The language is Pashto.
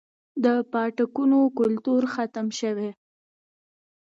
د پاټکونو کلتور ختم شوی